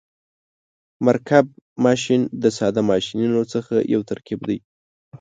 مرکب ماشین د ساده ماشینونو څخه یو ترکیب دی.